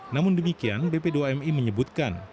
namun demikian bp dua mi menyebutkan